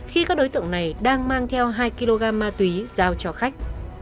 khi các đối tượng này đang mang theo hai kg ma túy giao cho khách